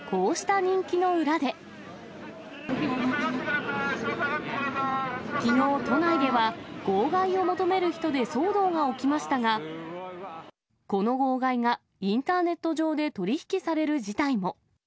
下がってください、後ろ下がきのう、都内では、号外を求める人で騒動が起きましたが、この号外がインターネット上で取り引きされる事態も。